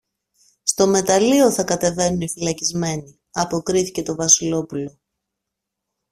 Στο μεταλλείο θα κατεβαίνουν οι φυλακισμένοι, αποκρίθηκε το Βασιλόπουλο.